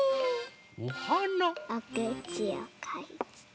おくちをかいて。